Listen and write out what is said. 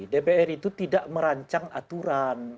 dpr itu tidak merancang aturan